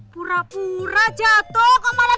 pura pura jatuh kok malah